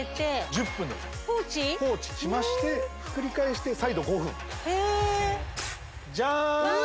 １０分でございます放置しましてひっくり返して再度５分へえジャーン！